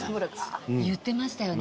言ってましたよね。